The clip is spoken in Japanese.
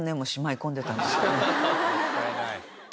もったいない。